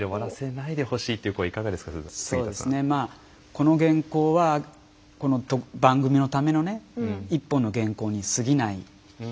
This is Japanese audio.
この原稿はこの番組のためのね１本の原稿にすぎないわけですよね。